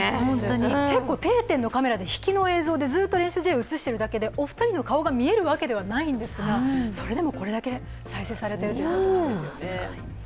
結構定点のカメラで引きの映像でずっと練習試合を映しているだけでお二人の顔が見えるわけではないんですが、それでも、これだけ再生されているということなんですよね。